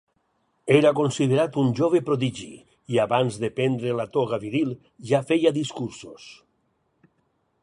Era considerat un jove prodigi i abans de prendre la toga viril ja feia discursos.